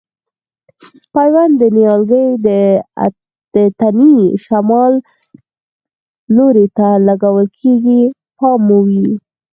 پیوند د نیالګي د تنې شمال لوري ته لګول کېږي پام مو وي.